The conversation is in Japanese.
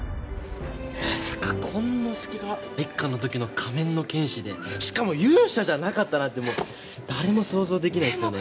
まさかコン乃介が１巻の時の仮面の剣士でしかも勇者じゃなかったなんてもう誰も想像できないですよね。